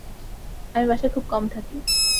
আমি বাসায় খুব কম থাকি।